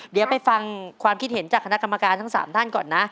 เดี๋ยวไปฟังความคิดเห็นจากคณะกรรมการทั้ง๓ท่านก่อนนะ